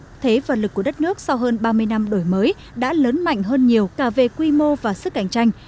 kinh tế và lực của đất nước sau hơn ba mươi năm đổi mới đã lớn mạnh hơn nhiều cả về quy mô và sức cạnh tranh